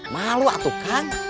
malu atuh kang